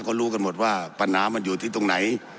ก็รู้กันหมดว่าปัญหามันอยู่ที่ตรงไหน